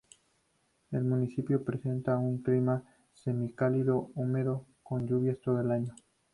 El municipio presenta un clima, Semicálido húmedo con lluvias todo el año.